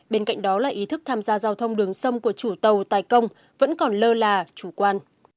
bên cạnh đó là ý thức tham gia giao thông đường sông của chủ tàu tài công vẫn còn lơ là chủ quan